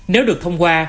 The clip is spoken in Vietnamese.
nếu được thông qua